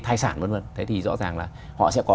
thai sản v v thế thì rõ ràng là họ sẽ có